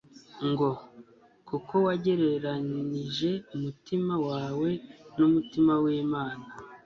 ngo : «Kuko wagereranije umutima wawe n'umutima w'Imana...